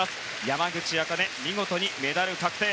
山口茜、見事にメダル確定。